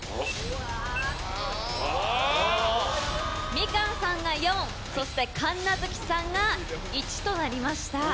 みかんさんが４そして神奈月さんが１となりました。